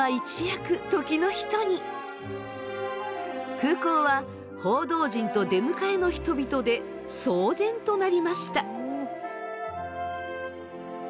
空港は報道陣と出迎えの人々で騒然となりました。